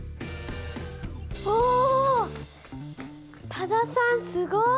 多田さんすごい！